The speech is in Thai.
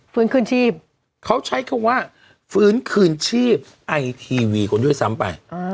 ฟื้นคืนชีพเขาใช้คำว่าฟื้นคืนชีพไอทีวีคนด้วยซ้ำไป